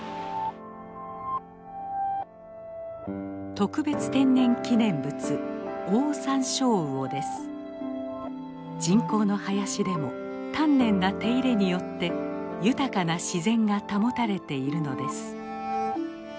特別天然記念物人工の林でも丹念な手入れによって豊かな自然が保たれているのです。